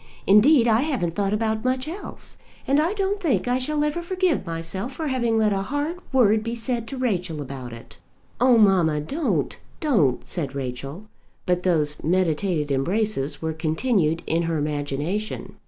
Indeed I haven't thought about much else. And I don't think I shall ever forgive myself for having let a hard word be said to Rachel about it." "Oh, mamma, don't, don't," said Rachel. But those meditated embraces were continued in her imagination.